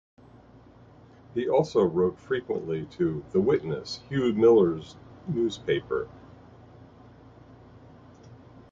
He also wrote frequently to "The Witness", Hugh Miller's newspaper.